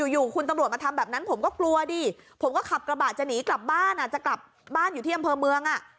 อยู่คุณตำรวจมาทำแบบนั้นผมก็กลัวดิผมก็ขับกระบะจะหนีกลับบ้านจะกลับบ้านอยู่ที่อำเภอเมือง